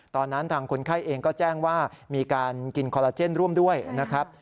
ตอนนั้นทางคนไข้เองก็แจ้งว่ามีการกินคอลลาเจนร่วมด้วยนะครับ